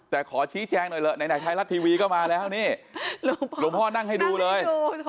แต่ขอชี้แจงหน่อยเถอะไหนไทยรัฐทีวีก็มาแล้วนี่หลวงพ่อนั่งให้ดูเลย